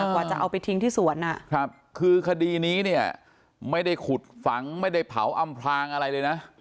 กว่าจะเอาไปทิ้งที่สวนคือคดีนี้เนี่ยไม่ได้ขุดฝังไม่ได้เผาอำพลางอะไรเลยนะ